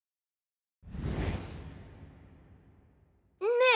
ねえ